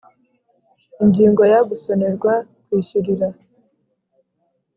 Ingingo ya gusonerwa kwishyurira